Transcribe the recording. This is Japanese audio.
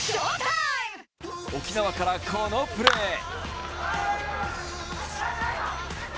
沖縄からこのプレー！